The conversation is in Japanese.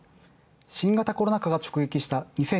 新型コロナ禍が直撃した